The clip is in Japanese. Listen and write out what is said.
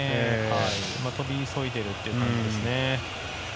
跳び急いでいるという感じですね。